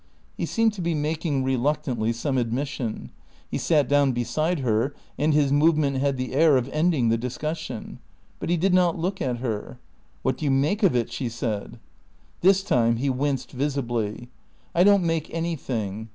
He seemed to be making, reluctantly, some admission. He sat down beside her, and his movement had the air of ending the discussion. But he did not look at her. "What do you make of it?" she said. This time he winced visibly. "I don't make anything.